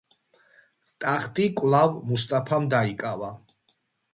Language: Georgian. ტახტი კვლავ მუსტაფამ დაიკავა.